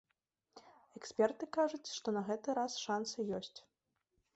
Эксперты кажуць, што на гэты раз шансы ёсць.